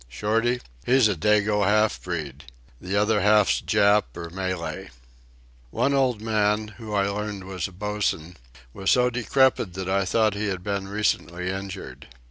Shorty? He's a dago half breed. The other half's Jap or Malay." One old man, who I learned was a bosun, was so decrepit that I thought he had been recently injured.